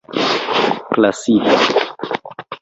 klasika